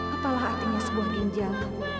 apalah artinya sebuah ginjal